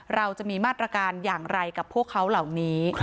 เราจะมีมาตรการอย่างไรกับพวกเขาเหล่านี้